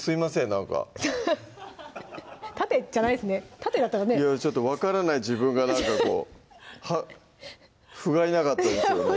なんか縦じゃないですね縦だったらねいやちょっと分からない自分がなんかこうふがいなかったですよね